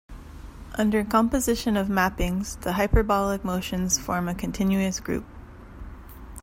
Under composition of mappings, the hyperbolic motions form a continuous group.